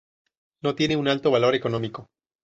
No tiene un alto valor económico.